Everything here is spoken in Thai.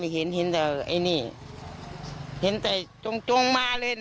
อืม